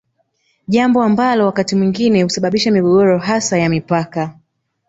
Jambo ambalo wakati mwingine husababisha migogoro hasa ya mipaka